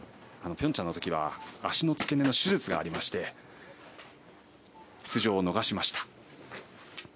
ピョンチャンのときは足の付け根の手術がありまして出場を逃しました。